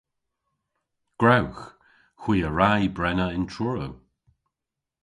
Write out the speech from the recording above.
Gwrewgh. Hwi a wra y brena yn Truru.